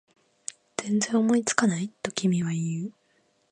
全然思いつかない？と君は言う